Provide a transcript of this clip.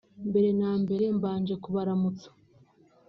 mbere na mbere mbaje kubaramutsa